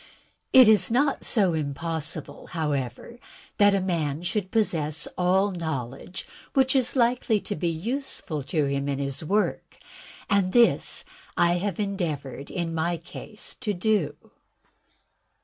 It is not so impossible, however, that a man should possess all knowledge which is likely to be useful to him in his work, and this I have endeavored in my case to do."